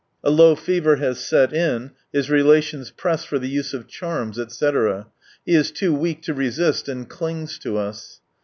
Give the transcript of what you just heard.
A low fever has set in, his relations press for the use of charms, etc. ; he is too weak to resist, and clings to us.